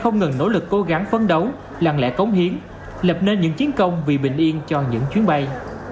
những chiến công vì bình yên cho những chuyến bay